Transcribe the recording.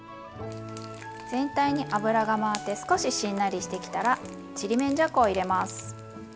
全体に油が回って少ししんなりしてきたらちりめんじゃこを入れます。